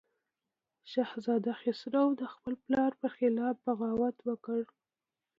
شهزاده خسرو د خپل پلار پر خلاف بغاوت وکړ.